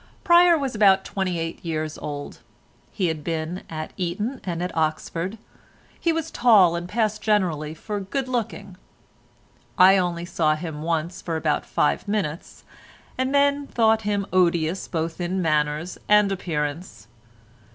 Pryer was about twenty eight years old. He had been at Eton and at Oxford. He was tall, and passed generally for good looking; I only saw him once for about five minutes, and then thought him odious both in manners and appearance.